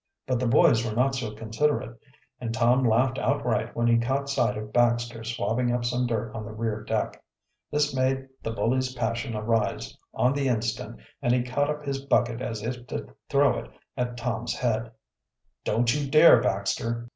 But the boys were not so considerate, and Tom laughed outright when he caught sight of Baxter swabbing up some dirt on the rear deck. This made the bully's passion arise on the instant and he caught up his bucket as if to throw it at Tom's head. "Don't you dare, Baxter!"